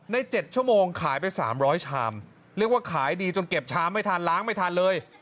๗ชั่วโมงขายไป๓๐๐ชามเรียกว่าขายดีจนเก็บชามไม่ทันล้างไม่ทันเลย